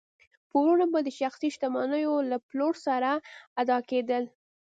پورونه به د شخصي شتمنیو له پلور سره ادا کېدل.